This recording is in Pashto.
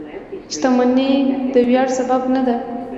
• شتمني د ویاړ سبب نه ده.